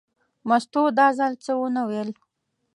مستو دا ځل څه ونه ویل.